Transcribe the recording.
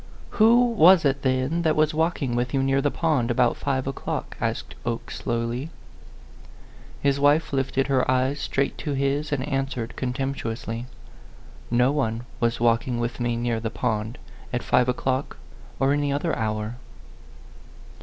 " Who was it, then, that was walking with you near the pond, about five o'clock ?" asked Oke, slowly. His wife lifted her eyes straight to his and answered, contemptuously, "No one was walking with me near the pond, at five o'clock or any other hour."